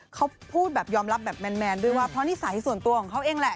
เขาพูดแบบยอมรับแบบแมนด้วยว่าเพราะนิสัยส่วนตัวของเขาเองแหละ